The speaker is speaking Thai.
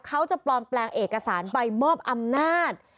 เขาจะปลอมแปลงเอกสารใบมอบอำนาจ